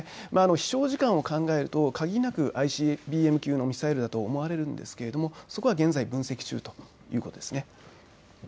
飛しょう時間を考えると限りなくＩＣＢＭ級のミサイルだと思われるんですが、そこは現在分析中ということです。